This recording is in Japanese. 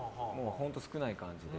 本当に少ない感じで。